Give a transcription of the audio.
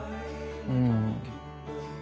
うん。